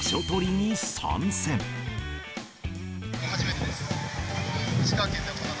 初めてです。